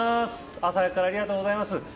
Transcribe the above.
朝早くからありがとうございます。